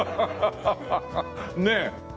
ねえ。